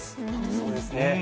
そうですね。